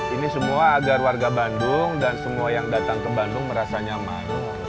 ini semua agar warga bandung dan semua yang datang ke bandung merasa nyaman